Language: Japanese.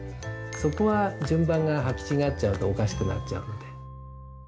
そこは順番が履き違っちゃうとおかしくなっちゃうんで。